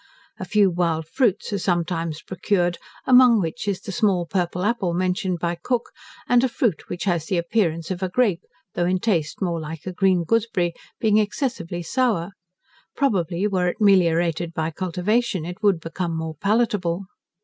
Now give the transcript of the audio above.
A few wild fruits are sometimes procured, among which is the small purple apple mentioned by Cook, and a fruit which has the appearance of a grape, though in taste more like a green gooseberry, being excessively sour: probably were it meliorated by cultivation, it would become more palatable.